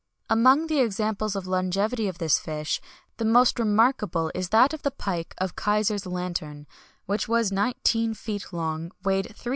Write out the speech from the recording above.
Among the examples of longevity of this fish, the most remarkable is that of the pike of kaisers' lantern, which was nineteen feet long, weighed 350 lbs.